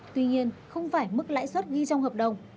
tuy nhiên không phải mức lãi suất ghi trong hợp đồng